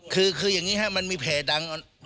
คืออย่างนี้ครับมันมีแผลดัง